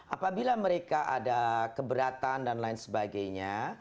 apabila mereka ada keberatan dan lain sebagainya